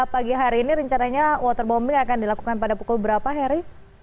pagi hari ini rencananya waterbombing akan dilakukan pada pukul berapa heri